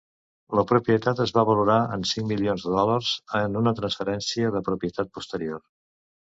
La propietat es va valorar en cinc milions de dòlars en una transferència de propietat posterior.